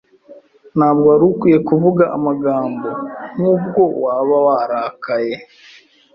Ntabwo wari ukwiye kuvuga amagambo nkubwo waba wararakaye.